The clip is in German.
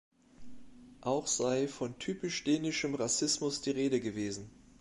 Auch sei von „typisch dänischem Rassismus“ die Rede gewesen.